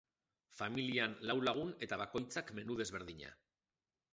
Familian lau lagun eta bakoitzak menu desberdina.